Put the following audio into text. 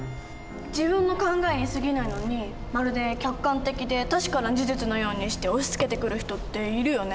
自分の考えにすぎないのにまるで客観的で確かな事実のようにして押しつけてくる人っているよね。